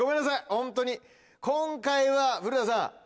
ホントに今回は古田さん。